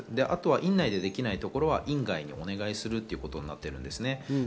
あとは院内でできないところでは院外にお願いすることになっているんですね。